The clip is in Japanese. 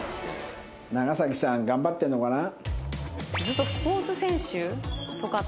長さん頑張ってるのかな？